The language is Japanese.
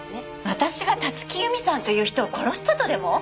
私が立木由美さんという人を殺したとでも？